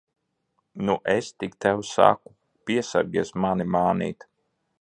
Nu, es tik tev saku, piesargies mani mānīt!